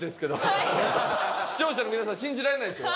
視聴者の皆さん信じられないでしょ？